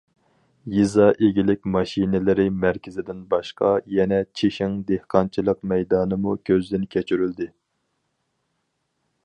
يېزا ئىگىلىك ماشىنىلىرى مەركىزىدىن باشقا، يەنە چىشىڭ دېھقانچىلىق مەيدانىمۇ كۆزدىن كەچۈرۈلدى.